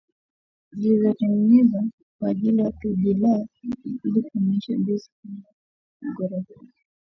Zilizotengwa kwa ajili ya PDLF ili kuimarisha bei na kumaliza mgogoro huo